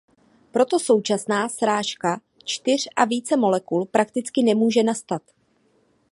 Proto současná srážka čtyř a více molekul prakticky nemůže nastat.